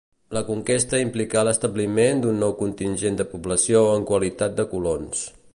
La conquesta implicà l'establiment d'un nou contingent de població en qualitat de colons.